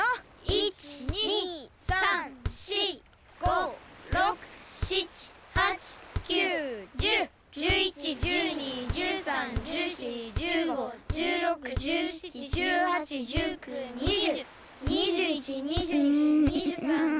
１２３４５６７８９１０１１１２１３１４１５１６１７１８１９２０。